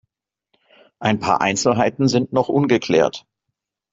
Ein paar Einzelheiten sind noch ungeklärt.